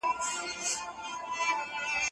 شاه محمود د اسدالله خان سر اصفهان ته واستاوه.